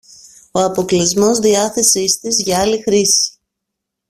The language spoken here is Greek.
ο αποκλεισμός διάθεσης της για άλλη χρήση